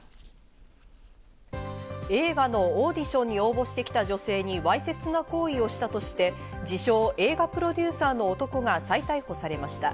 映画のオーディションに応募してきた女性にわいせつな行為をしたとして、自称映画プロデューサーの男が再逮捕されました。